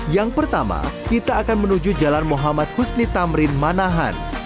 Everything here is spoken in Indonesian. yang pertama kita akan menuju jalan muhammad husni tamrin manahan